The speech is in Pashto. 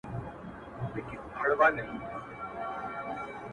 زه د یویشتم قرن غضب ته فکر نه کوم ـ